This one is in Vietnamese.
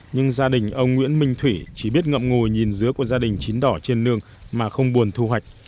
nhưng gia đình ông nguyễn minh thủy chỉ biết ngậm ngùi nhìn dứa của gia đình chín đỏ trên nương mà không buồn thu hoạch